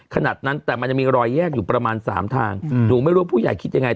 ขนาดนั้นแต่มันยังมีรอยแยกอยู่ประมาณ๓ทางหนูไม่รู้ว่าผู้ใหญ่คิดยังไง